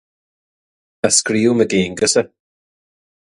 A scríobh Mac Aonghusa.